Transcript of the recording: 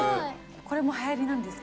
これもはやりなんですか。